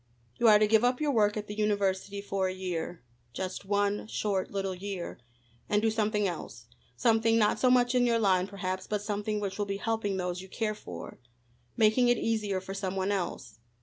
You are to give up your work at the university for a year just one short little year and do something else; something not so much in your line, perhaps, but something which will be helping those you care for making it easier for some one else.